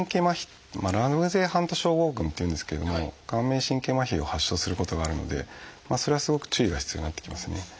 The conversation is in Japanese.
「ラムゼイ・ハント症候群」っていうんですけども顔面神経まひを発症することがあるのでそれはすごく注意が必要になってきますね。